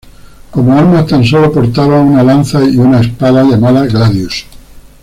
Como armas tan sólo portaba una lanza y una espada llamada "gladius".